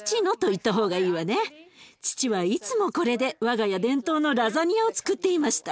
父はいつもこれで我が家伝統のラザニアをつくっていました。